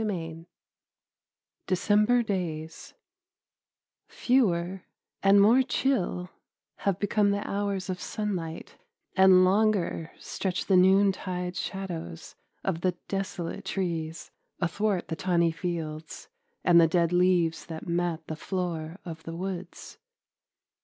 XLIV DECEMBER DAYS Fewer and more chill have become the hours of sunlight, and longer stretch the noontide shadows of the desolate trees athwart the tawny fields and the dead leaves that mat the floor of the woods.